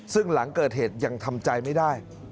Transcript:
ซึ่งหลังเกิดเหตุยังทำใจไม่ได้